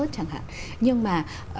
chẳng hạn nhưng mà